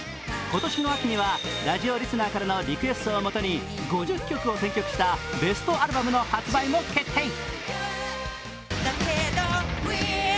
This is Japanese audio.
今年の秋にはラジオリスナーからのリクエストをもとに５０曲を選曲したベストアルバムの発売も決定。